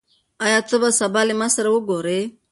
آيا ته به سبا له ما سره وګورې؟